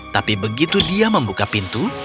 tapi begitu dia membuka pintu